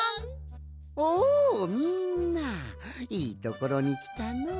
おおみんないいところにきたの。